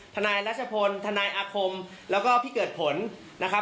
รัชพลทนายอาคมแล้วก็พี่เกิดผลนะครับ